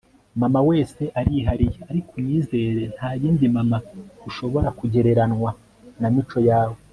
mama wese arihariye, ariko unyizere ntayindi mama ushobora kugereranwa na mico yawe